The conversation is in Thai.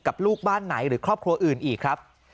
ลูกบ้านไหนหรือครอบครัวอื่นอีกครับ